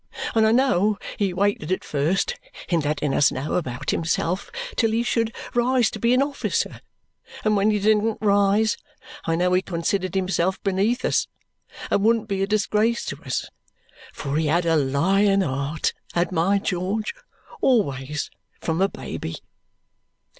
And I know he waited at first, in letting us know about himself, till he should rise to be an officer; and when he didn't rise, I know he considered himself beneath us, and wouldn't be a disgrace to us. For he had a lion heart, had my George, always from a baby!"